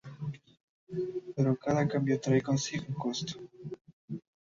Pero cada cambio trae consigo un costo.